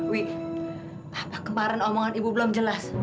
wih apa kemarin omongan ibu belum jelas